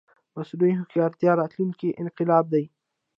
مصنوعي هوښيارتيا راتلونکې انقلاب دی